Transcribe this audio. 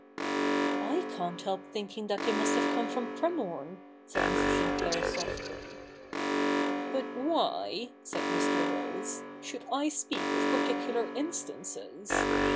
'/ can't help thinking they must have come from Cremorne,' said Mrs. Sinclair softly. ' But why/ said Mr. Rose, ' should I speak of particular instances